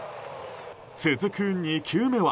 続く２球目は。